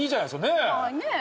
ねえ！